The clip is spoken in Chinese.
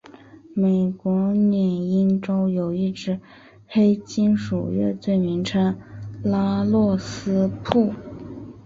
美国缅因洲有一支黑金属乐队名为拉洛斯瀑布。